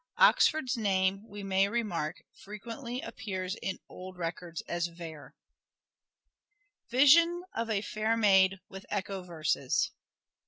Oxford's name, we may remark, frequently appears in old records as " Ver." VISION OF A FAIR MAID, WITH ECHO VERSES.